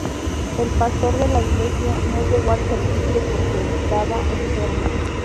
El pastor de la iglesia no llegó al servicio porque estaba enfermo.